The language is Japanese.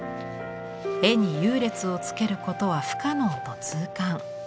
絵に優劣をつけることは不可能と痛感。